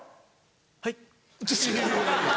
はい？